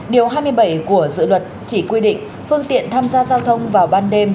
điều hai mươi bảy của dự luật chỉ quy định phương tiện tham gia giao thông vào ban đêm